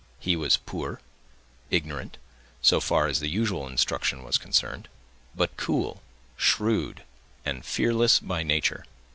He was poor, ignorant, so far as the usual instruction was concerned; but cool, shrewd, and fearless by nature.